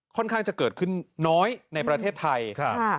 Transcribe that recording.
ค่อนข้างจะเกิดขึ้นน้อยในประเทศไทยครับ